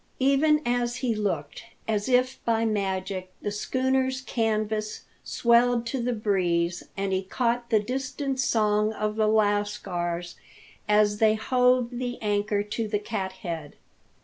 Even as he looked, as if by magic the schooner's canvas swelled to the breeze, and he caught the distant song of the lascars as they hove the anchor to the cathead.